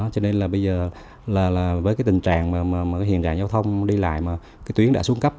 cho nên bây giờ với tình trạng hiện đại giao thông đi lại tuyến đã xuống cấp